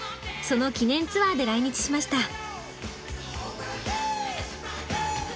その記念ツアーで来日しました。